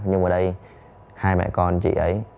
nhưng mà đây hai mẹ con chị ấy